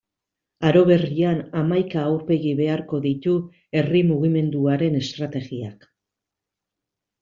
Aro berrian, hamaika aurpegi beharko ditu herri mugimenduaren estrategiak.